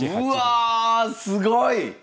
うわすごい！